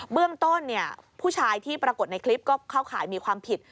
เบื้องต้นผู้ชายที่ปรากฏในคลิปก็เข้าข่ายมีความผิด